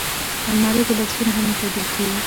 الماري کې بکسونه هم ایښودل کېږي